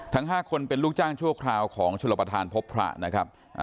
ทั้ง๕คนเป็นลูกจ้างชั่วคราวของชลประธานพบพระนะครับ